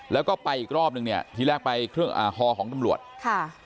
แล้วก็ไปอีกรอบนึงเนี่ยทีแรกไปเครื่องอ่าฮอของตำรวจค่ะ